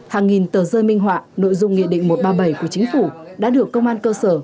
hàng nghìn tờ rơi minh họa nội dung nghị định một trăm ba mươi bảy của chính phủ đã được công an cơ sở